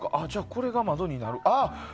これが窓になる。